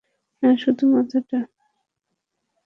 না, শুধু মাথাটা।